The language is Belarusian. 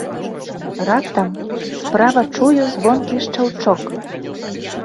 Раптам справа чую звонкі шчаўчок.